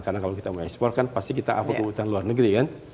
karena kalau kita eksplor kan pasti kita apa kebutuhan luar negeri kan